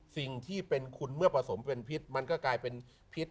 สิ่งที่เป็นคุณเมื่อผสมเป็นพิษมันก็กลายเป็นพิษ